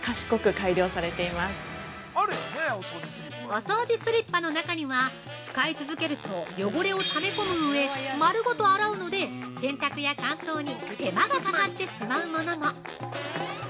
◆お掃除スリッパの中には、使い続けると汚れをため込む上丸ごと洗うので、洗濯や乾燥に手間がかかってしまうものも。